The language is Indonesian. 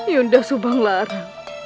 yunda subang lara